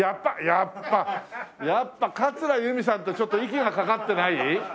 やっぱやっぱ桂由美さんとちょっと息がかかってない？